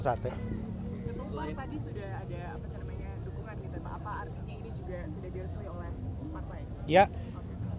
jepang bar tadi sudah ada apa namanya dukungan apa artinya ini juga sudah direseli oleh partai